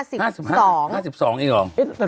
๕๒อีกหรอ